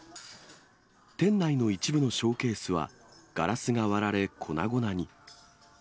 店内の一部のショーケースは、ガラスが割られ粉々に。